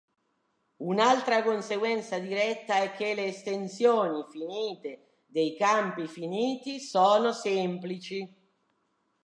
Un'altra conseguenza diretta è che le estensioni finite dei campi finiti sono semplici.